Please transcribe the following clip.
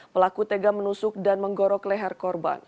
pelaku tega menusuk dan menggorok leher korban